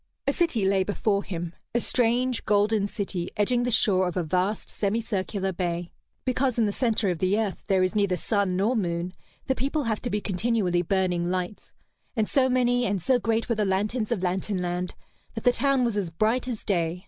A city lay before him, a strange golden city edging the shore of a vast, semi circular bay. Because in the centre of the earth there is neither sun nor moon, the people have to be continually burning lights; and so many and so great were the lanterns of Lantern Land that the town was as bright as day.